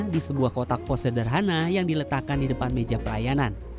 di sebuah kotak pos sederhana yang diletakkan di depan meja pelayanan